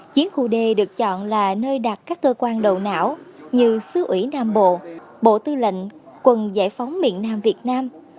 chiến khu d được chọn là nơi đặt các cơ quan đầu não như sứ ủy nam bộ bộ tư lệnh quân giải phóng miền nam việt nam